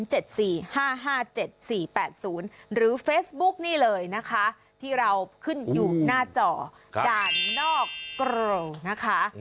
เฟซบุ๊กหรือเฟซบุ๊กนี่เลยนะคะที่เราขึ้นอยู่หน้าจอด่านนอกโกรนะคะ